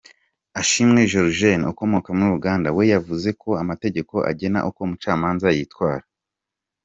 Asiimwe Jorgen ukomoka muri Uganda we yavuze ko amategeko agena uko umucamanza yitwara.